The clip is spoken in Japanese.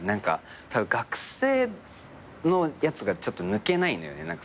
たぶん学生のやつがちょっと抜けないのよね。